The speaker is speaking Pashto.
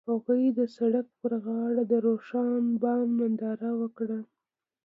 هغوی د سړک پر غاړه د روښانه بام ننداره وکړه.